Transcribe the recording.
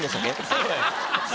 そうだよ。